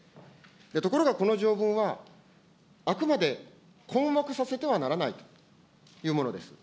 ところがこの条文は、あくまで困惑させてはならないというものです。